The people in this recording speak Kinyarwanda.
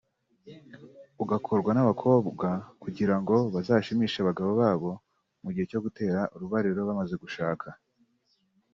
ugakorwa n’abakobwa kugira ngo bazashimishe abagabo babo mu gihe cyo gutera urubariro bamaze gushaka